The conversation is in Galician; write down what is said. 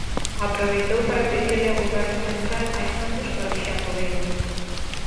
Aproveitou para pedirlle ao Goberno central máis fondos para o Xacobeo.